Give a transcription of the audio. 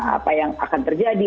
apa yang akan terjadi